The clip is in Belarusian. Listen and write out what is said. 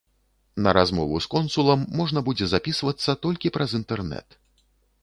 На размову з консулам можна будзе запісвацца толькі праз інтэрнэт.